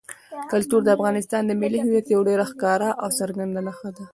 کلتور د افغانستان د ملي هویت یوه ډېره ښکاره او څرګنده نښه ده.